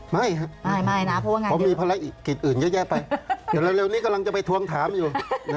ไม่ครับเพราะมีภาระกิจอื่นแย่ไปเดี๋ยวเร็วนี้กำลังจะไปทวงถามอยู่